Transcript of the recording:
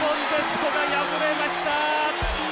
古賀敗れました。